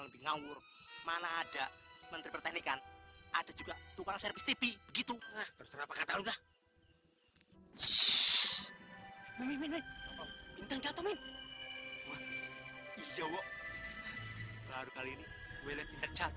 baru kali ini gue lihat bintang jatuh wak